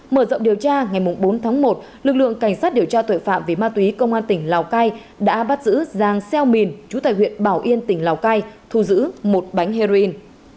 mở rộng điều tra ngày bốn tháng một lực lượng cảnh sát điều tra tội phạm về ma túy công an tỉnh lào cai đã bắt giữ giang xeo mìn chú tại huyện bảo yên tỉnh lào cai thu giữ một bánh heroin